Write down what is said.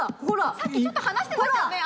さっきちょっと話してましたよね